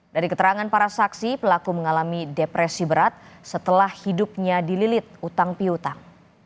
dari keterangan para saksi pelaku mengalami depresi berat setelah hidupnya dililit utang piutang